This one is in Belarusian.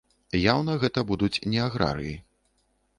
Яўна гэта будуць не аграрыі.